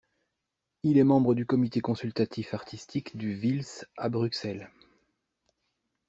Il est membre du comité consultatif artistique du Wiels à Bruxelles.